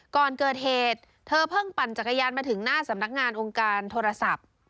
ก่อนเกิดเหตุเธอเพิ่งปั่นจักรยานมาถึงหน้าสำนักงานองค์การโทรศัพท์